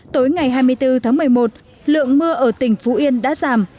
tối ngày hai mươi bốn tháng một mươi một lượng mưa ở tỉnh phú yên đã giảm